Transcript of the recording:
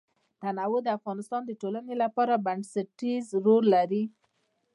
تنوع د افغانستان د ټولنې لپاره بنسټيز رول لري.